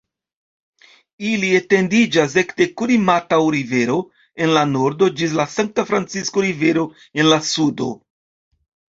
Ili etendiĝas ekde Kurimataŭ-Rivero en la nordo ĝis la Sankta-Francisko-Rivero en la sudo.